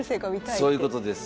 そういうことです。